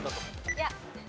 いや。